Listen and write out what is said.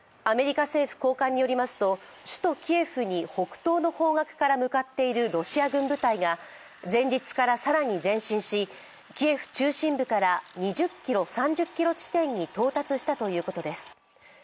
アメリカ政府高官によりますと、首都キエフに北東の方角から向かっているロシア軍部隊が前日から更に前進し、キエフ中心部から２０ｋｍ３０ｋｍ地点に到達したということです。